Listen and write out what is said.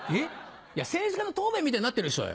いや政治家の答弁みたいになってるでしょう。